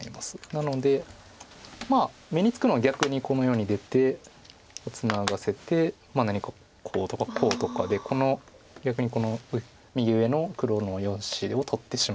なので目につくのは逆にこのように出てツナがせて何かこうとかこうとかで逆にこの右上の黒の４子を取ってしまう。